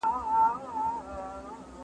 تاسي باید په پښتو کي د نوو ټکو هڅي وکړاست